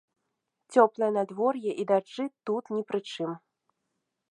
Цёплае надвор'е і дажджы тут не пры чым.